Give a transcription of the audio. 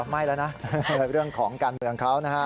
ไม่แล้วนะเรื่องของการเมืองเขานะฮะ